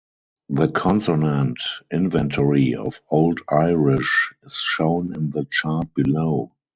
The consonant inventory of Old Irish is shown in the chart below.